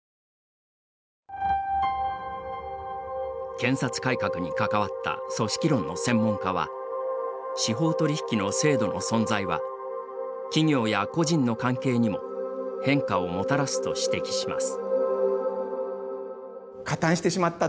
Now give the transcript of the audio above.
検察改革に関わった組織論の専門家は司法取引の制度の存在は企業や個人の関係にも変化をもたらすと指摘します。